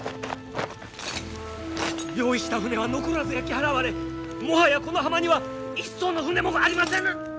用意した船は残らず焼き払われもはやこの浜には一そうの船もありませぬ！